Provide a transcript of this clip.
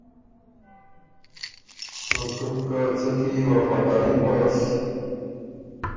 او تُو بو که څۀ کی وفاداري غؤس